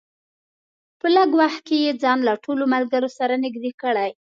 په لږ وخت کې یې ځان له ټولو ملګرو سره نږدې کړی.